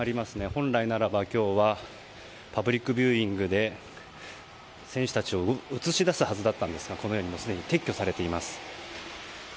本来ならば今日はパブリックビューイングで選手たちを映し出すはずだったんですがこのように、もうすでに撤去されています。